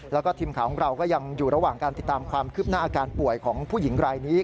แล้วก็ทีมข่าวของเราก็ยังอยู่ระหว่างการติดตามความคืบหน้าอาการป่วยของผู้หญิงรายนี้